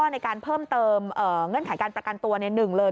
ในการเพิ่มเติมเงื่อนไขการประกันตัว๑เลย